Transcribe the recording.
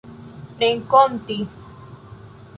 renkonti